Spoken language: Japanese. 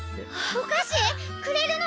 お菓子？くれるの？